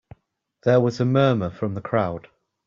There was a murmur from the crowd.